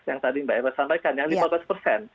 yang tadi mbak eva sampaikan yang lima belas persen